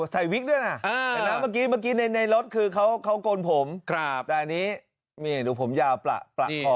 ใส่วิกด้วยน่ะแต่นั้นเมื่อกี้ในรถคือเขากลผมแต่อันนี้มีอย่างงี้ดูผมยาวประคอ